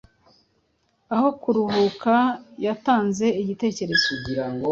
Aho kuruhuka yatanze igitekerezo